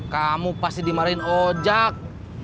kamu pasti dimarahin ojak